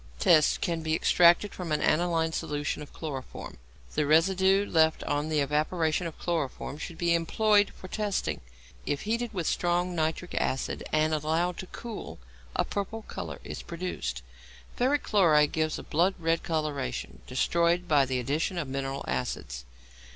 Tests. Can be extracted from an alkaline solution of chloroform. The residue left on the evaporation of chloroform should be employed for testing. If heated with strong nitric acid and allowed to cool, a purple colour is produced. Ferric chloride gives a blood red coloration, destroyed by the addition of mineral acids.